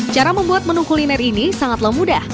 cara membuat menu kuliner ini sangatlah mudah